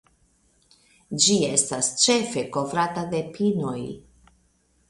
Ĝi estas ĉefe kovrata de pinoj.